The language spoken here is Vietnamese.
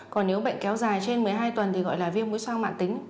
còn nếu bệnh kéo dài trên một mươi hai tuần thì gọi là viêm mũi xoang mạng tính